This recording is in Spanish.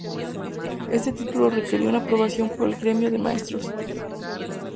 Este título requería una aprobación por el gremio de maestros.